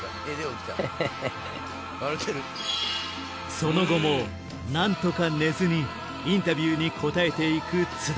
その後も何とか寝ずにインタビューに答えて行く津田